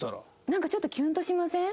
なんかちょっとキュンとしません？